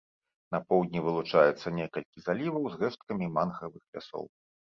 На поўдні вылучаецца некалькі заліваў з рэшткамі мангравых лясоў.